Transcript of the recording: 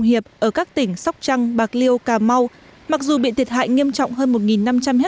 hiệp ở các tỉnh sóc trăng bạc liêu cà mau mặc dù bị thiệt hại nghiêm trọng hơn một năm trăm linh hectare